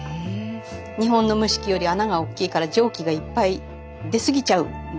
日本の蒸し器より穴がおっきいから蒸気がいっぱい出過ぎちゃうんですけど。